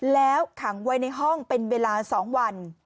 แล้วขังไว้ในห้องเป็นเวลา๒วัน